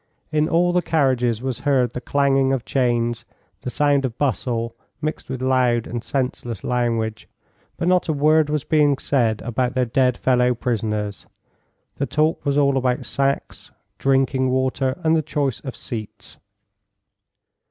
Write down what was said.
In all the carriages was heard the clanging of chains, the sound of bustle, mixed with loud and senseless language, but not a word was being said about their dead fellow prisoners. The talk was all about sacks, drinking water, and the choice of seats.